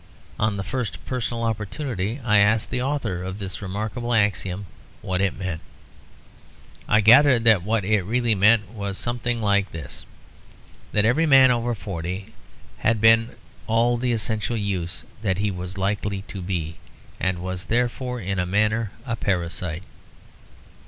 On the first personal opportunity I asked the author of this remarkable axiom what it meant. I gathered that what it really meant was something like this: that every man over forty had been all the essential use that he was likely to be, and was therefore in a manner a parasite.